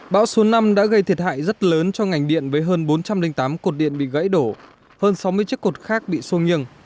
bão số năm đã gây thiệt hại rất lớn cho ngành điện với hơn bốn trăm linh tám cột điện bị gãy đổ hơn sáu mươi chiếc cột khác bị xô nghiêng